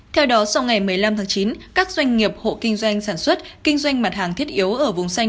theo đó sau ngày một mươi năm tháng chín các doanh nghiệp hộ kinh doanh sản xuất kinh doanh mặt hàng thiết yếu ở vùng xanh